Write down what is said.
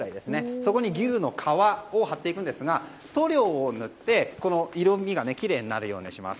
そこに牛の革を張っていくんですが塗料を塗って色味がきれいになるようにします。